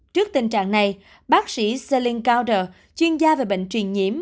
trước tình trạng này bác sĩ celine gouders chuyên gia về bệnh truyền nhiễm